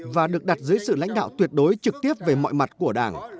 và được đặt dưới sự lãnh đạo tuyệt đối trực tiếp về mọi mặt của đảng